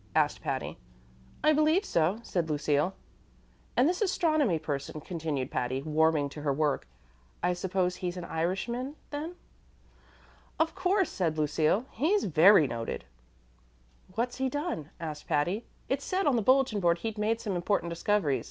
asked Patty. "I believe so," said Lucille. "And this astronomy person," continued Patty, warming to her work "I suppose he's an Irishman, then." "Of course," said Lucille. "He's very noted." "What's he done?" asked Patty. "It said on the bulletin board he'd made some important discoveries.